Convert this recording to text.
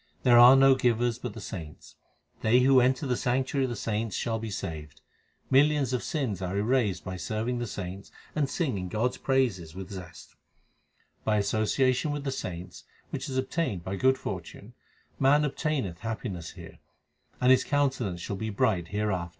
There are no givers but the saints. They who enter the sanctuary of the saints shall be saved. Millions of sins are erased by serving the saints and singing God s praises with zest. By association with the saints, which is obtained by good fortune, man obtaineth happiness here, and his countenance shall be bright hereafter. 1 That is, he finds no fault in others.